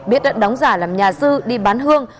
biết đã đóng giả làm nhà sư đi bán hương